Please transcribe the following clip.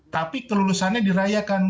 tapi kelulusannya dirayakan